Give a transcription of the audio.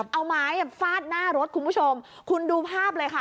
เอาไม้ฟาดหน้ารถคุณผู้ชมคุณดูภาพเลยค่ะ